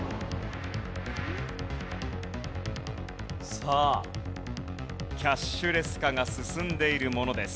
さあキャッシュレス化が進んでいるものです。